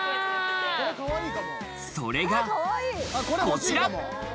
それがこちら。